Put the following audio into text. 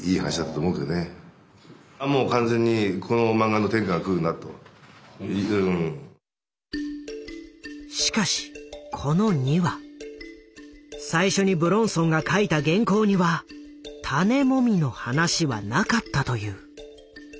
あっもう完全にしかしこの２話最初に武論尊が書いた原稿には「種モミ」の話はなかったという。